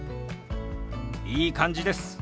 いい感じです。